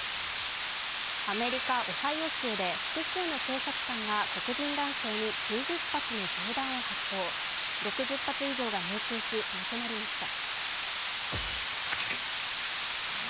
アメリカ・オハイオ州で複数の警察官が黒人男性に９０発の銃弾を発砲、６０発以上が命中し亡くなりました。